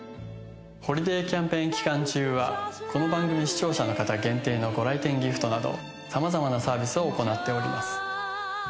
ホリデーキャンペーン期間中はこの番組視聴者の方限定のご来店ギフトなどさまざまなサービスを行っております。